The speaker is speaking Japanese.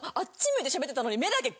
向いてしゃべってたのに。